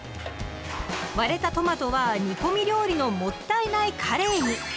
割れたトマトは煮込み料理の「もったいないカレー」に！